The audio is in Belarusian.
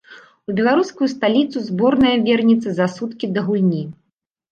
У беларускую сталіцу зборная вернецца за суткі да гульні.